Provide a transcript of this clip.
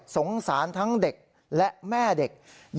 สงสารทั้งเด็กและแม่เด็ก